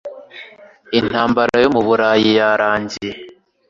Intambara yo mu Burayi yarangiye.